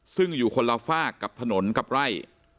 ซึ่งอยู่คนละฝากกับถนนกับไร่